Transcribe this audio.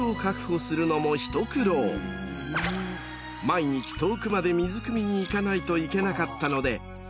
［毎日遠くまで水くみに行かないといけなかったので］